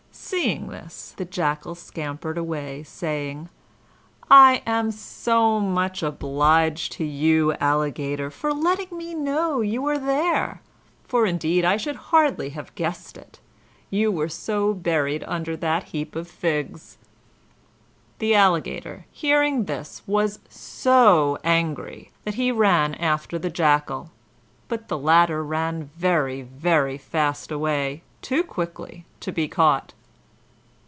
Seeing this, the Jackal scampered away, saying: "I am so much obliged to you, Alligator, for letting me know you are there, for indeed I should hardly have guessed it. You were so buried under that heap of figs." The Alligator, hearing this, was so angry that he ran after the Jackal, but the latter ran very, very fast away, too quickly to be caught.